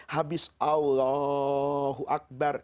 habis allahu akbar